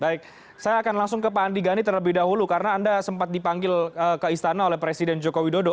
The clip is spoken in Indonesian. baik saya akan langsung ke pak andi gani terlebih dahulu karena anda sempat dipanggil ke istana oleh presiden joko widodo